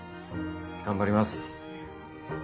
頑張ります。